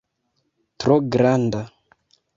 Tro granda